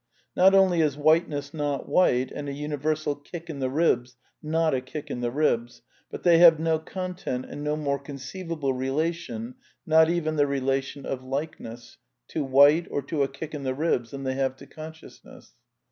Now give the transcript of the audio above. Not only is whiteness not white, and a universal kick in the ribs not a kick in the ribs, but they have no content and no more conceivable relation (not even t relation of likeness) to white or to a kick in the ribs than^^ they have to consciousness.